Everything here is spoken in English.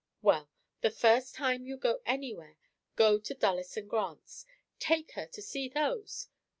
"Well, the first time you go anywhere, go to Dulles & Grant's. Take her to see those.